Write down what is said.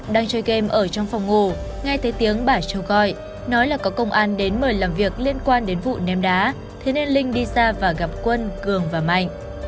đang chơi game ở trong phòng ngủ nghe thấy tiếng bà châu gọi nói là có công an đến mời làm việc liên quan đến vụ ném đá thế nên linh đi ra và gặp quân cường và mạnh